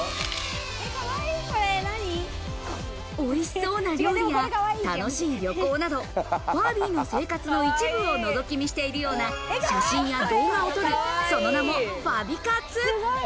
美味しそうな料理や楽しい旅行など、ファービーの生活の一部を覗き見しているような写真や動画を撮る、その名もファビ活。